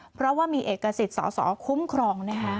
เพราะว่ามีเอกสิทธิ์สอสอคุ้มครองนะคะ